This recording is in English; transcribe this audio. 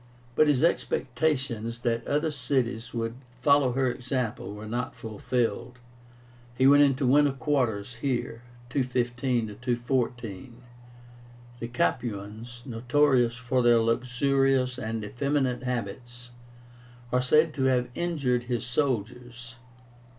But his expectations that other cities would follow her example were not fulfilled. He went into winter quarters here (215 214). The Capuans, notorious for their luxurious and effeminate habits, are said to have injured his soldiers.